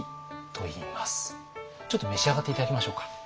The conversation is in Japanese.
ちょっと召し上がって頂きましょうか。